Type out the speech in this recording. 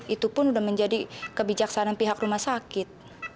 itu pun sudah menjadi kebijaksanaan pihak rumah sakit